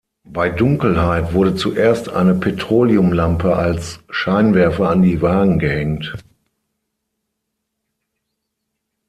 Bei Dunkelheit wurde zuerst eine Petroleumlampe als „Scheinwerfer“ an die Wagen gehängt.